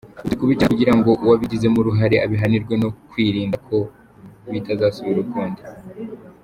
Ubu turi kubikurikirana kugira ngo uwabigizemo uruhare abihanirwe no kwirinda ko bitazasubira ukundi.